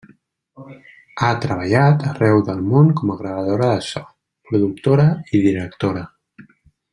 Ha treballat arreu del món com a gravadora de so, productora i directora.